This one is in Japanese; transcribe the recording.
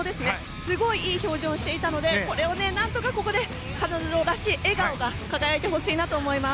すごいいい表情をしていたのでこれを何とか、ここで彼女らしい笑顔が輝いてほしいなと思います。